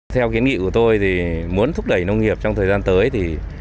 theo kiến nghị của tôi muốn thúc đẩy nông nghiệp trong thời gian tới